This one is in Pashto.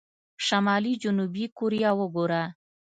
شمالي جنوبي کوريا وګورو.